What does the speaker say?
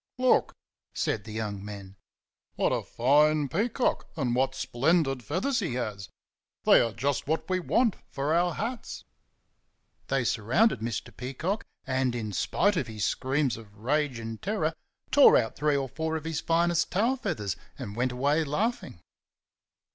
"Look!" said the young men. "What a fine peacock, and what splendid feathers he has! They are just what we want for our hats." They surrounded Mr. Peacock, and, spite of his screams of rage and terror, tore out three or four of his finest tail feathers and went away laughing.